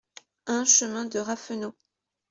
un chemin de Raffenot